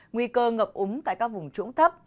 nguy cơ ngập úng tại các vùng trũng thấp